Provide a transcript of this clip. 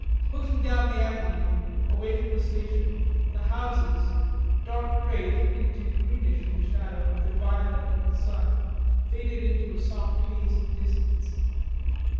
Looking down the Avenue, away from the station, the houses, dark grey tending to greenish in the shadow and to violet in the sun, faded into a soft haze of distance.